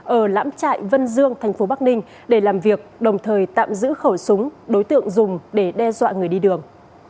ở lãm trại vân dương thành phố bắc ninh để làm việc đồng thời tạm giữ khẩu súng đối tượng dùng để đe dọa người đi đường